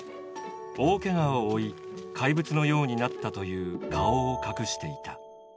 大けがを負い怪物のようになったという顔を隠していた。